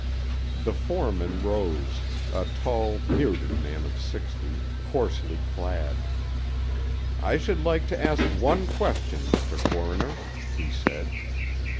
The foreman rose—a tall, bearded man of sixty, coarsely clad. "I should like to ask one question, Mr. Coroner," he said.